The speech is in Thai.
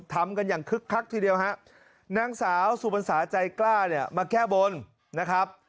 ทำกันอย่างคึกคักทีเดียวฮะนางสาวสุพรรษาใจกล้าเนี่ยมาแก้บนนะครับ